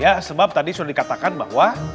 ya sebab tadi sudah dikatakan bahwa